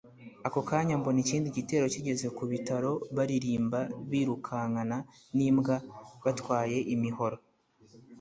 Ako kanya mbona ikindi gitero kigeze ku bitaro baririmba birukankana n’imbwa batwaye imihoro